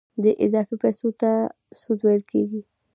دې اضافي پیسو ته سود ویل کېږي